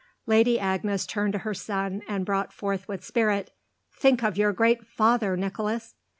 Lady Agnes turned to her son and brought forth with spirit: "Think of your great father, Nicholas!"